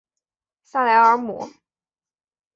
萨莱尔姆。